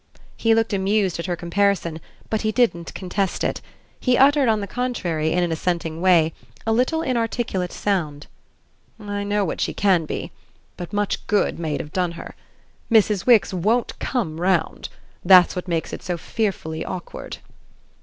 He looked amused at her comparison, but he didn't contest it; he uttered on the contrary, in an assenting way, a little inarticulate sound. "I know what she CAN be. But much good may it have done her! Mrs. Wix won't COME 'round.' That's what makes it so fearfully awkward."